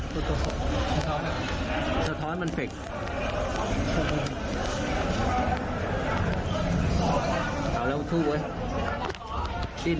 ไปดูกันหน่อยครับ